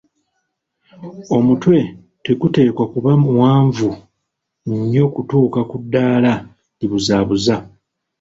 Omutwe teguteekwa kuba muwanvu nnyo kutuuka ku ddaala libuzaabuza.